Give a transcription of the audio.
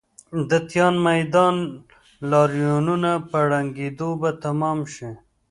د تیان میدان لاریونونه په ړنګېدو به تمام شي.